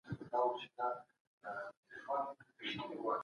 د پخوانيو انقلابيانو اولادونه د خپلو پلرونو پر لاره روان دي.